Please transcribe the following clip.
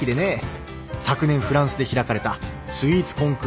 昨年フランスで開かれたスイーツコンクールの世界大会では